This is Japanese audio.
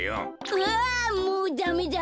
うわもうダメだ。